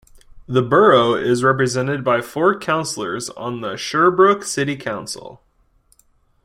The borough is represented by four councillors on the Sherbrooke City Council.